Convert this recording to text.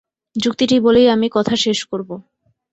যুক্তিটি বলেই আমি কথা শেষ করব।